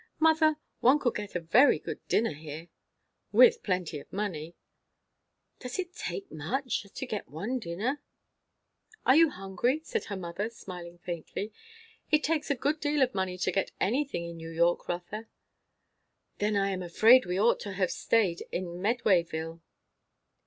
Mother, one could get a very good dinner here." "With plenty of money." "Does it take much? to get one dinner?" "Are you hungry?" said her mother, smiling faintly. "It takes a good deal of money to get anything in New York, Rotha." "Then I am afraid we ought to have staid at Medwayville."